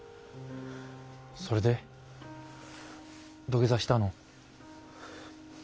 それで土下座したの？